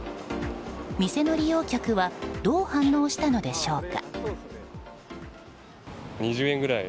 店の利用客はどう反応したのでしょうか。